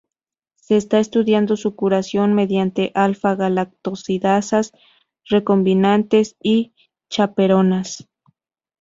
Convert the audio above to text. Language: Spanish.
Se está estudiando su curación mediante alfa-galactosidasas recombinantes y chaperonas.